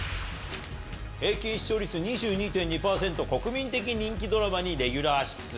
平均視聴率２２．２％、国民的人気ドラマにレギュラー出演。